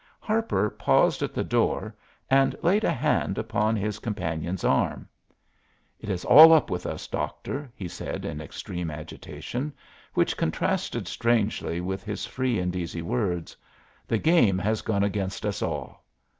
Harper paused at the door and laid a hand upon his companion's arm. "It is all up with us, Doctor," he said in extreme agitation, which contrasted strangely with his free and easy words; "the game has gone against us all.